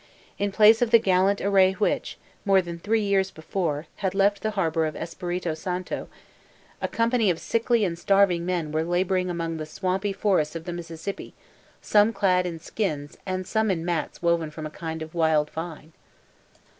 In place of the gallant array which, more than three years before, had left the harbor of Espiritu Santo, a company of sickly and starving men were laboring among the swampy forests of the Mississippi, some clad in skins, and some in mats woven from a kind of wild vine.